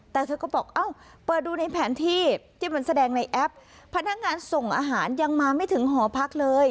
แต่เธอก็บอกเอ้าเปิดดูในแผนที่ที่มันแสดงในแอปพนักงานส่งอาหารยังมาไม่ถึงหอพักเลย